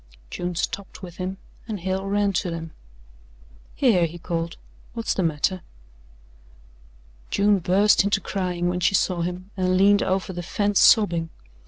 June stopped with him and Hale ran to them. "Here," he called, "what's the matter?" June burst into crying when she saw him and leaned over the fence sobbing.